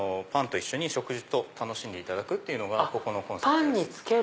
パンと一緒に食事と楽しんでいただくっていうのがここのコンセプトです。